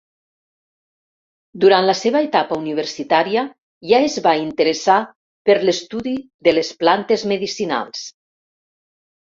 Durant la seva etapa universitària ja es va interessar per l’estudi de les plantes medicinals.